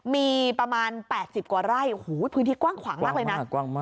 มีประมาณ๘๐กว่าไร่พื้นที่กว้างขวางมากเลยนะ